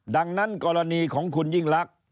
ดังนั้นกรณีของคุณยิ่งรัก